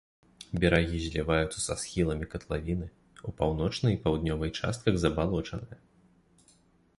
Берагі зліваюцца са схіламі катлавіны, у паўночнай і паўднёвай частках забалочаныя.